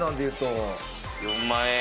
４万円。